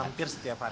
hampir setiap hari